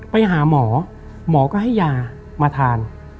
ไปหาหมอหมอก็ให้ยามาทาน